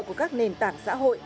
của các nền tảng xã hội